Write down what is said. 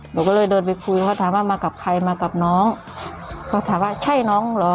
หนูก็เลยเดินไปคุยเขาถามว่ามากับใครมากับน้องเขาถามว่าใช่น้องเหรอ